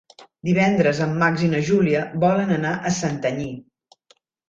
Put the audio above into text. Divendres en Max i na Júlia volen anar a Santanyí.